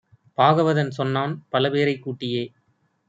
பாகவதன் சொன்னான் பலபேரைக் கூட்டியே!